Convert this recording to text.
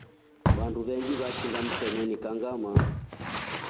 Vandu vengi veshinda mtemeni kangʼama.